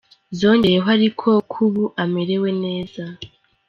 Zongeyeho ariko ko ubu amerewe neza.